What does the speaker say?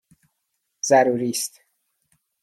ضروری است!